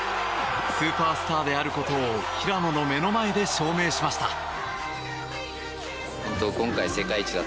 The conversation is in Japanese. スーパースターであることを平野の目の前で証明しました。